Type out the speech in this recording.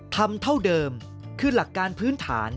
ทำเท่าเดิมคือหลักการพื้นฐาน